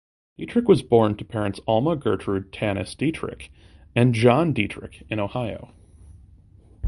Deatrick was born to parents Alma Gertrude (Tanis) Deatrick and John Deatrick in Ohio.